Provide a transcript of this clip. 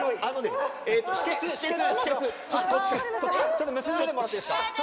ちょっと結んでてもらっていいですか。